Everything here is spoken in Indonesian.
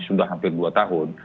sudah hampir dua tahun